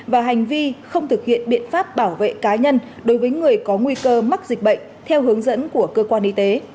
và hành vi không thực hiện biện pháp bảo vệ cá nhân đối với người có nguy cơ mắc dịch bệnh theo hướng dẫn của cơ quan y tế